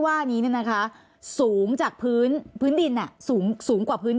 ว่านี้เนี่ยนะคะสูงจากพื้นพื้นดินน่ะสูงสูงกว่าพื้น